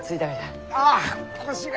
あっ腰が！